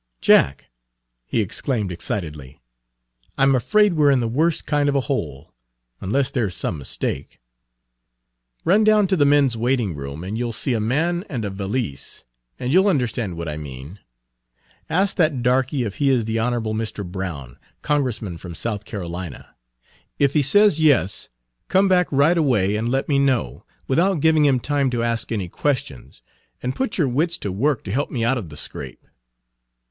"Jack," he exclaimed excitedly, "I 'm afraid we're in the worst kind of a hole, unless there 's some mistake! Run down to the men's waitingroom and you 'll see a man and a valise, and you'll understand what I mean. Ask that darkey if he is the Honorable Mr. Brown, Congressman from South Carolina. If he says yes, come back right away and let me know, without giving him time to ask any questions, and put your wits to work to help me out of the scrape."